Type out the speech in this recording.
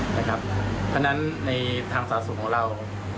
เพราะฉะนั้นในทางสาธารณสุขของเรา